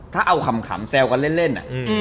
ถ้าเอาขำแซวกันเล่น